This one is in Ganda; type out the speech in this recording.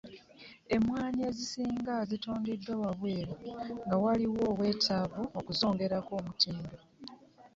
Emmwanyi ezisinga zitundibwa wabweru nga waliwo obwetaavu okuzongerako omutindo.